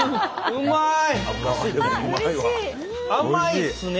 うまい！